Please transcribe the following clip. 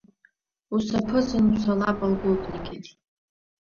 Усаԥызан уцала аполковник иахь.